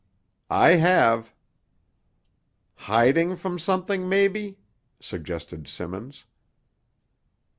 "I have." "Hiding from something, mebbe?" suggested Simmons.